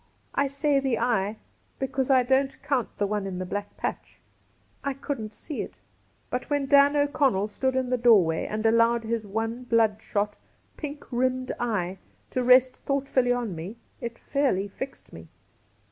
I say the eye, because I don't count the one in the black patch — I couldn't see it. But when Dan O'ConneU stood in the doorway and allowed his one bloodshot, pink rimmed eye to rest thotight fully on me, it fairly fixed me.